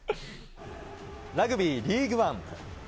ラグビーリーグワン。